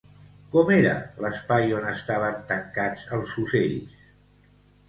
Com era l'espai on estaven tancats els ocells?